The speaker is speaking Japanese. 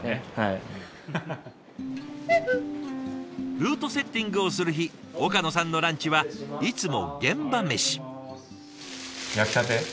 ルートセッティングをする日岡野さんのランチはいつも現場メシ。